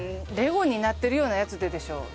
ＬＥＧＯになってるようなやつででしょ？